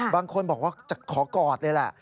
บางคนบอกว่าจะขอกอดเลยแหละ